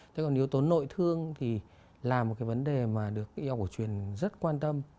thế còn yếu tố nội thương thì là một cái vấn đề mà được y học cổ truyền rất quan tâm